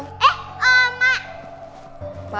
eh oh mak